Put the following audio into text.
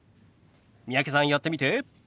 三宅さんやってみて。